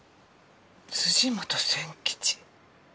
「辻本千吉」。